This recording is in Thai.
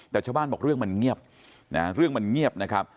แต่ชาวบ้านบอกเรื่องมันเงียบเรื่องมันเงียบนะครับ